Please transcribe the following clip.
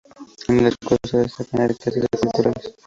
En el escudo se destacan las riquezas culturales.